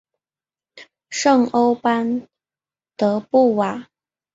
圣欧班德布瓦。